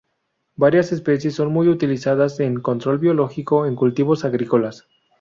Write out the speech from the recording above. Varias especies son muy utilizadas en control biológico en cultivos agrícolas.